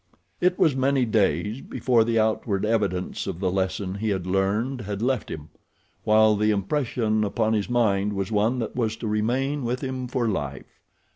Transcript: It was many days before the outward evidence of the lesson he had learned had left him; while the impression upon his mind was one that was to remain with him for life.